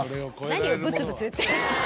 何をブツブツ言ってる。